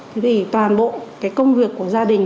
thì toàn bộ cái công việc của gia đình